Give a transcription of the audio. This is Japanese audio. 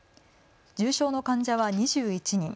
重症の患者は２１人。